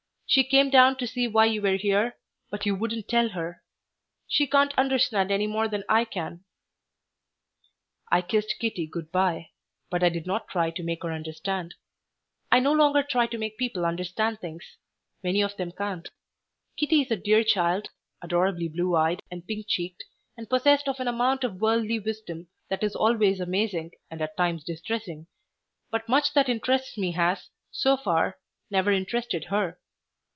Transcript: She came down to see why you were here, but you wouldn't tell her. She can't understand any more than I can." I kissed Kitty good by, but I did not try to make her understand. I no longer try to make people understand things. Many of them can't. Kitty is a dear child, adorably blue eyed and pink cheeked, and possessed of an amount of worldly wisdom that is always amazing and at times distressing, but much that interests me has, so far, never interested her.